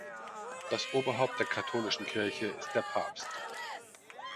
Das Oberhaupt der katholischen Kirche ist der Papst.